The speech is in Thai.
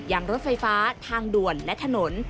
รถไฟฟ้าทางด่วนและถนน